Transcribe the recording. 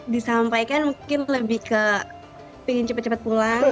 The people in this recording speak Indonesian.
disampaikan mungkin lebih ke pingin cepat cepat pulang